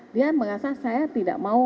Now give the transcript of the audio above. dia merasa saya tidak mau